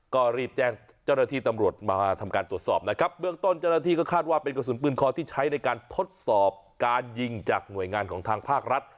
ก็รีบแจ้งเจ้าหน้าที่ตำรวจมาทำการตรวจสอบนะครับเบื้องต้นเจ้าหน้าที่ก็คาดว่าเป็นกระสุนปืนคอที่ใช้ในการทดสอบการยิงจากหน่วยงานของทางภาครัฐ